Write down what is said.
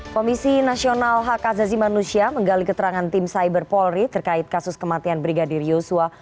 komisi nasional hak azazi manusia menggali keterangan tim cyber polri terkait kasus kematian brigadir yosua